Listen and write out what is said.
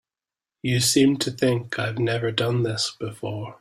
You seem to think I've never done this before.